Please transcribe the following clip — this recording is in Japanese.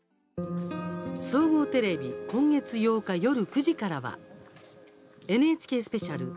総合テレビ今月８日、夜９時からはＮＨＫスペシャル